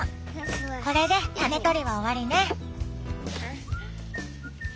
これで種とりは終わりね。